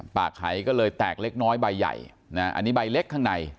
หายก็เลยแตกเล็กน้อยใบใหญ่อันนี้ใบเล็กข้างใน